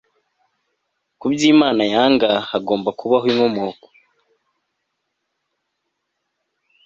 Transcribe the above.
Kubyo Imana yanga hagomba kubaho inkomoko